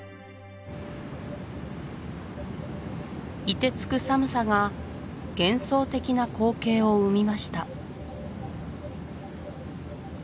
いてつく寒さが幻想的な光景を生みました